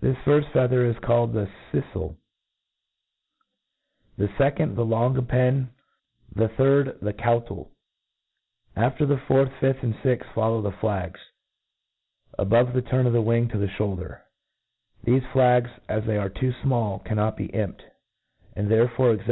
The firft fcathpr is called the Ceffel^ the fccondthe Longapen, the third the CouHel ; after the fourth, fifth^ and f;xth, foHow the fl^gs, above the turn of the wing to the Ihpulder* Thefe fls^(^ a/s they are too fmall, isuinot be imped ^ and therefore tg^Qf.